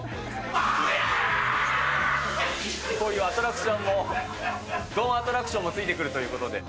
こういうアトラクションも、ドンアトラクションも付いてくるということで。